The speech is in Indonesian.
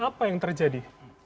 apa yang terjadi